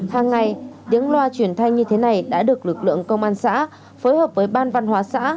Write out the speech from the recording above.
hàng ngày những loa truyền thanh như thế này đã được lực lượng công an xã phối hợp với ban văn hóa xã